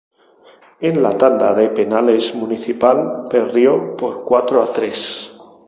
En la tanda de penales Municipal perdió por cuatro a tres.